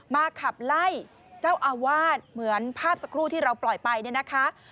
ขับไล่เจ้าอาวาสเหมือนภาพสักครู่ที่เราปล่อยไปเนี่ยนะคะ